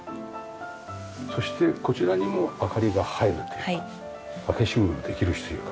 そしてこちらにも明かりが入るというか開け閉めもできるしというか。